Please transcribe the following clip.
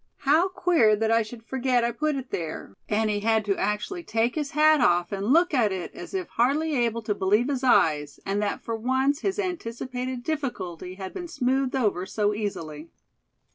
How queer that I should forget I put it there," and he had to actually take his hat off, and look at it, as if hardly able to believe his eyes, and that for once his anticipated difficulty had been smoothed over so easily.